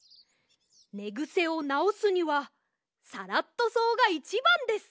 ねぐせをなおすにはサラットそうがいちばんです。